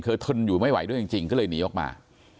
ทนอยู่ไม่ไหวด้วยจริงก็เลยหนีออกมา